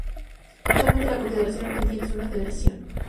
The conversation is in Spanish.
Actualmente la Confederación Argentina es una federación.